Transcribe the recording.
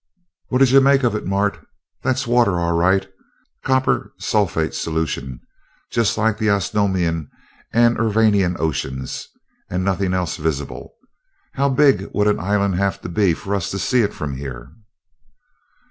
"What d'you make of it, Mart? That's water all right copper sulphate solution, just like the Osnomian and Urvanian oceans and nothing else visible. How big would an island have to be for us to see it from here?"